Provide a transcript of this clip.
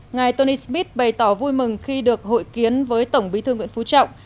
ngài tony smith bày tỏ vui mừng khi được hội kiến với tổng bí thư nguyễn phú trọng